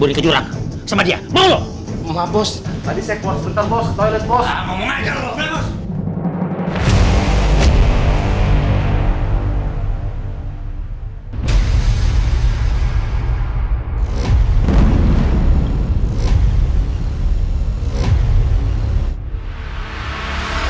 nanti itu sekarang sudah dikira kamu tidak distantek